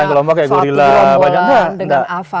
kelompok kayak gorila dengan ava